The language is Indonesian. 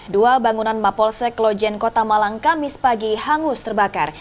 dua bangunan mapolsek lojen kota malang kamis pagi hangus terbakar